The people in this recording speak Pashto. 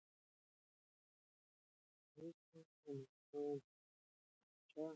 لوستې میندې د ماشوم د خوراک وخت منظم ساتي.